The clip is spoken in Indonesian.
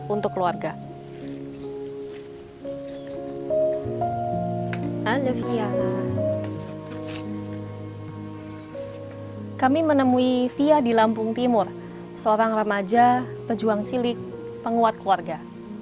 untuk keluarga kami menemui fia di lampung timur seorang remaja pejuang cilik penguat keluarga